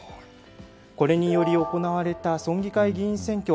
これにより行われた村議会議員選挙。